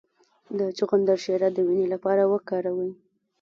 د چغندر شیره د وینې لپاره وکاروئ